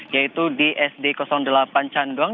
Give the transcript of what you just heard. yaitu di sd delapan candong